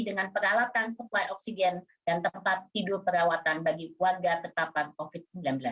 dengan peralatan suplai oksigen dan tempat tidur perawatan bagi warga terpapar covid sembilan belas